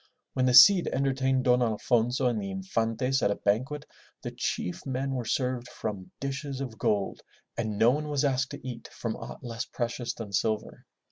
When the Cid entertained Don Alfonso and the Infantes at a banquet, the chief men were served from dishes of gold and no one was asked to eat from aught less precious than silver.